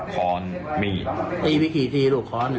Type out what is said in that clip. คอนมีด